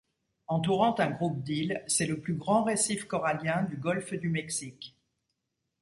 Entourant un groupe d'îles, c'est le plus grand récif corallien du golfe du Mexique.